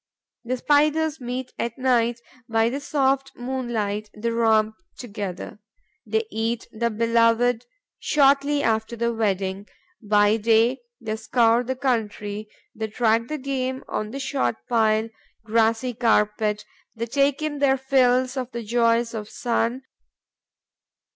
The Spiders meet at night, by the soft moonlight: they romp together, they eat the beloved shortly after the wedding; by day, they scour the country, they track the game on the short pile, grassy carpet, they take their fill of the joys of the sun.